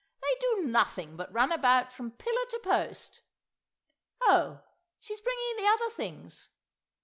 They do nothing but run about from pillar to post. Oh, she is bringing the other things!